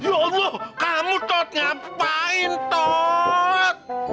ya allah kamu tot ngapain tot